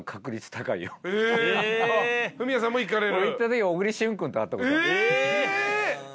フミヤさんも行かれる？